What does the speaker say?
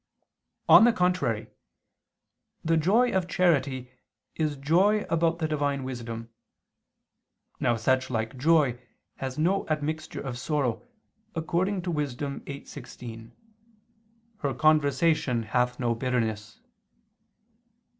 On the contrary, The joy of charity is joy about the Divine wisdom. Now such like joy has no admixture of sorrow, according to Wis. 8:16: "Her conversation hath no bitterness."